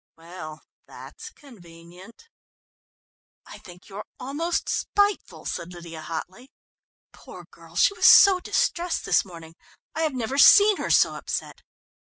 "Well, that's convenient." "I think you're almost spiteful," said Lydia hotly. "Poor girl, she was so distressed this morning; I have never seen her so upset."